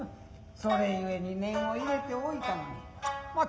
それ故に念を入れておいたのにまあ